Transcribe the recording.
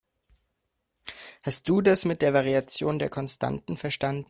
Hast du das mit der Variation der Konstanten verstanden?